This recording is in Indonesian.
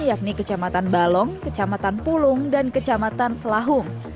yakni kecamatan balong kecamatan pulung dan kecamatan selahung